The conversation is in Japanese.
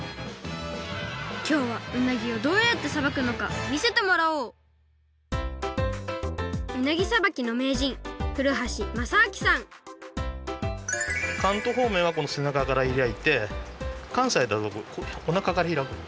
きょうはうなぎをどうやってさばくのかみせてもらおううなぎさばきのめいじん関東ほうめんはこの背中から開いて関西だとおなかから開くの。